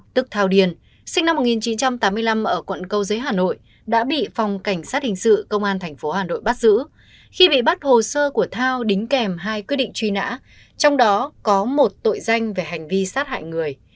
tức thao điền sinh năm một nghìn chín trăm tám mươi năm ở quận câu giấy hà nội đã bị phòng cảnh sát hình sự công an tp hà nội bắt giữ khi bị bắt hồ sơ của thao đính kèm hai quyết định truy nã trong đó có một tội danh về hành vi sát hại người